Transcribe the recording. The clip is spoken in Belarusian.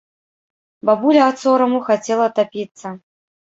Бабуля ад сораму хацела тапіцца.